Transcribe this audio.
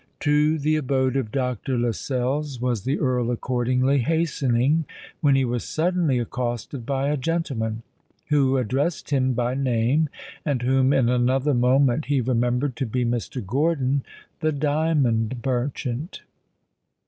To the abode of Dr. Lascelles was the Earl accordingly hastening, when he was suddenly accosted by a gentleman; who addressed him by name, and whom in another moment he remembered to be Mr. Gordon, the diamond merchant.